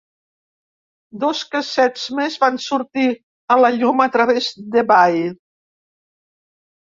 Dos cassets més van sortir a la llum a través d'eBay.